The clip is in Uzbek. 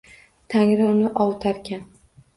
Tangri uni ovutarkan.